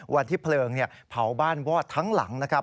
วันที่เพลิงเผาบ้านวอดทั้งหลังนะครับ